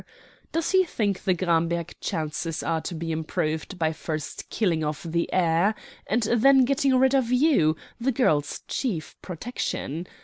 Does he think the Gramberg chances are to be improved by first killing off the heir and then getting rid of you, the girl's chief protection?